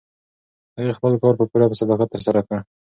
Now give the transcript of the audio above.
هغې خپل کار په پوره صداقت ترسره کړ.